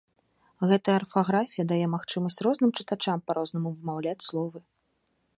Гэтая арфаграфія дае магчымасць розным чытачам па-рознаму вымаўляць словы.